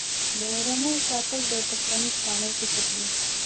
د رمو ساتل د پښتنو پخوانی کسب دی.